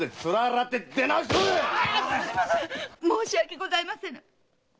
申し訳ございませぬ！